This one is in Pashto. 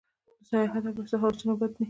د سیاحت او پیسو هوسونه بد دي.